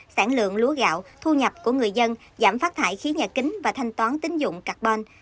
sản lượng lúa gạo thu nhập của người dân giảm phát thải khí nhà kính và thanh toán tính dụng carbon